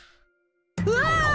うわ！